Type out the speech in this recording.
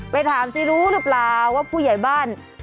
ไปถามสิรู้หรือเปล่าว่าผู้ใหญ่บ้าน